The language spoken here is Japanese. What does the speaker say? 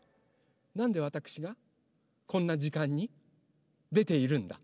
なんでわたくしがこんなじかんにでているんだ？